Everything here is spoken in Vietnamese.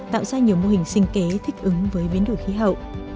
tạo ra nhiều mô hình sinh kế thích ứng với biến đổi khí hậu